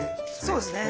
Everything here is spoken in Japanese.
そうですね。